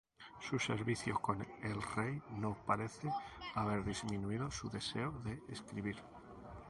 Su servicio con el rey no parece haber disminuido su deseo de escribir.